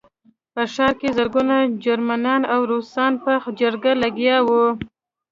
په ښار کې زرګونه جرمنان او روسان په جګړه لګیا وو